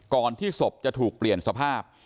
ที่ศพจะถูกเปลี่ยนสภาพ